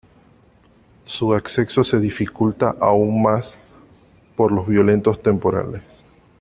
Su acceso se dificulta aún más por los violentos temporales.